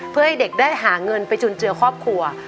เพื่อให้เด็กได้หาเงินไปจุนเจือครอบครัว